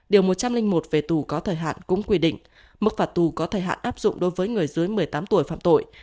điều một trăm linh một về tù có thời hạn cũng quy định mức phạt tù có thời hạn áp dụng đối với người dưới một mươi tám tuổi phạm tội